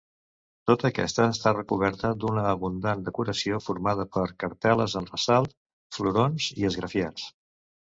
Tota aquesta està recoberta d'una abundant decoració formada per cartel·les en ressalt, florons i esgrafiats.